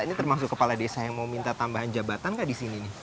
ini termasuk kepala desa yang mau minta tambahan jabatan kah di sini nih